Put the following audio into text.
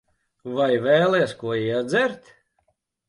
Vai vēlies ko iedzert?